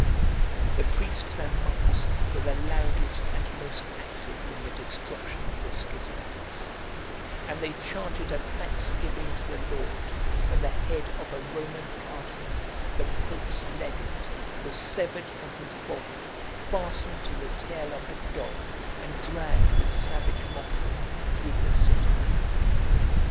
The priests and monks were the loudest and most active in the destruction of the schismatics; and they chanted a thanksgiving to the Lord, when the head of a Roman cardinal, the pope's legate, was severed from his body, fastened to the tail of a dog, and dragged, with savage mockery, through the city.